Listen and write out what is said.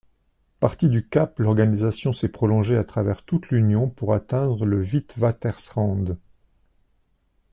Partie du Cap, l'organisation s'est propagé à travers toute l'Union pour atteindre le Witwatersrand.